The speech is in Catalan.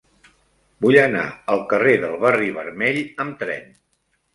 Vull anar al carrer del Barri Vermell amb tren.